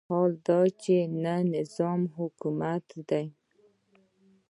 حال دا چې نه نظام حکومت دی.